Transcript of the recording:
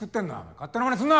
勝手なマネすんな！